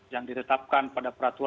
yang ditetapkan pada perhubungan udara